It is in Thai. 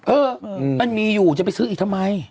เออมันมีอยู่จะไปซื้ออีกทำไม